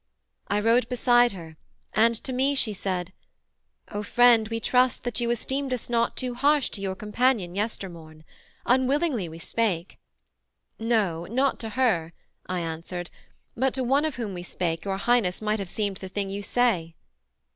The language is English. I rode beside her and to me she said: 'O friend, we trust that you esteemed us not Too harsh to your companion yestermorn; Unwillingly we spake.' 'No not to her,' I answered, 'but to one of whom we spake Your Highness might have seemed the thing you say.'